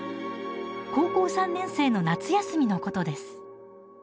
高校３年生の夏休みのことです